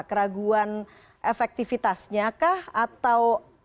keraguan efektifitasnya kah atau